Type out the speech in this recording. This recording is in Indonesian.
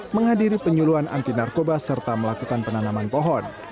menghadiri penyuluhan anti narkoba serta melakukan penanaman pohon